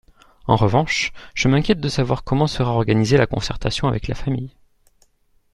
En revanche, je m’inquiète de savoir comment sera organisée la concertation avec la famille.